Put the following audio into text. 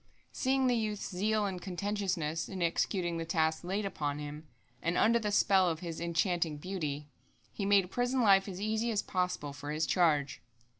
Seeing the youth's zeal and conscientiousness in executing the tasks laid upon him, and under the spell of his enchanting beauty, he made prison life as easy as possible for his charge.